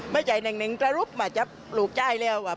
มีใจนิดหนึ่งมารับหลูกจ้ายแล้วเหอะ